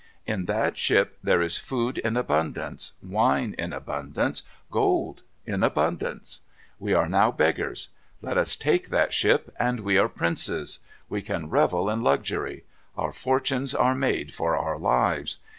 In that ship there is food in abundance, wine in abundance, gold in abundance. We are now beggars. Let us take that ship, and we are princes. We can revel in luxury. Our fortunes are made for our lives.